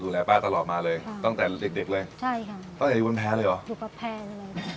ดูแลป้าตลอดมาเลยตั้งแต่เด็กเลยใช่ค่ะตั้งแต่อยู่บนแพ้เลยหรออยู่บนแพ้เลย